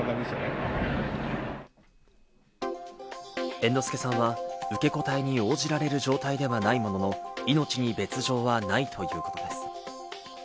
猿之助さんは受け答えに応じられる状態ではないものの、命に別条はないということです。